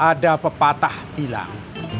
ada pepatah bilang